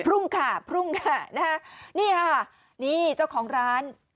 ่งค่ะพรุ่งค่ะนะฮะนี่ค่ะนี่เจ้าของร้าน